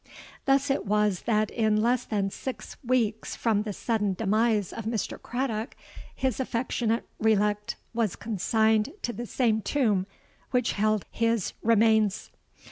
Thus was it that in less than six weeks from the sudden demise of Mr. Craddock, his affectionate relict was consigned to the same tomb which held his remains.